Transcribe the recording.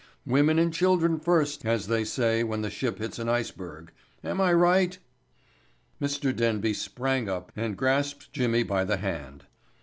Women and children first, as they say when the ship hits an iceberg. Am I right?" Mr. Denby sprang up and grasped Jimmy by the hand.